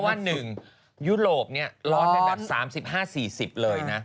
เพราะว่าหนึ่งยุโรปนี้ร้อนให้แบบ๓๕๔๐เลยนะ